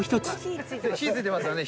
火ついてますよね。